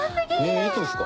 いつですか？